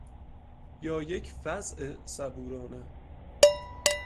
یا یک وضع صبورانه